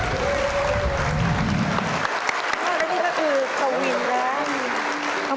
อ๊ะแล้วนี่ก็คือกะวินแล้ว